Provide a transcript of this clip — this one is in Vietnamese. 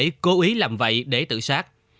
nhiều người đã làm vậy để tự sát